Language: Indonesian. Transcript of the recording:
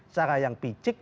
cara yang pijik